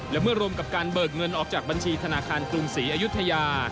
และเมื่อรวมกับการเบิกเงินออกจากบัญชีธนาคารกรุงศรีอายุทยา